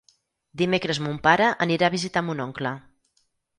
Dimecres mon pare anirà a visitar mon oncle.